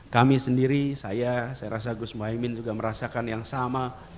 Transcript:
kami sendiri saya saya rasa gus muhaymin juga merasakan yang sama